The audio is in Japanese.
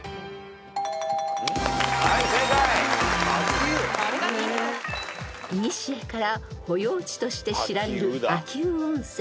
［いにしえから保養地として知られる秋保温泉］